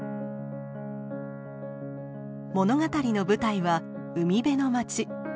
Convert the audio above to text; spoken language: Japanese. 物語の舞台は海辺の街。